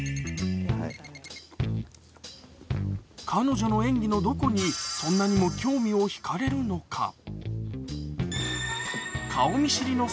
彼女の演技のどこに、そんなにも興味をひかれるのか。